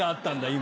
今。